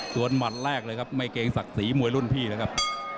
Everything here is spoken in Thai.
ส่วนหมัดแรกเลยครับไม่เกรงศักดิ์ศรีมวยรุ่นพี่นะครับ